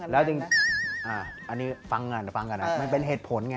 แล้วจริงอันนี้ฟังก่อนนะมันเป็นเหตุผลไง